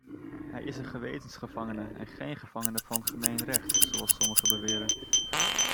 Hij is een gewetensgevangene en geen gevangene van gemeen recht, zoals sommigen beweren!